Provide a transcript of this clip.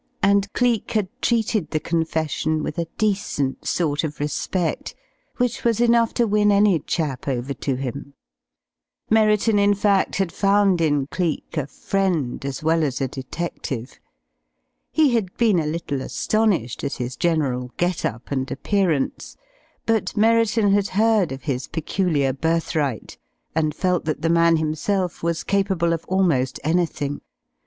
And Cleek had treated the confession with a decent sort of respect which was enough to win any chap over to him. Merriton in fact had found in Cleek a friend as well as a detective. He had been a little astonished at his general get up and appearance, but Merriton had heard of his peculiar birthright, and felt that the man himself was capable of almost anything.